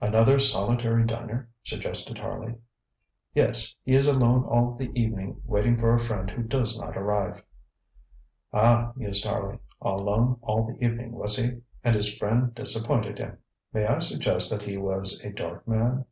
ŌĆØ ŌĆ£Another solitary diner? ŌĆØ suggested Harley. ŌĆ£Yes, he is alone all the evening waiting for a friend who does not arrive. ŌĆØ ŌĆ£Ah, ŌĆØ mused Harley ŌĆ£alone all the evening, was he? And his friend disappointed him. May I suggest that he was a dark man?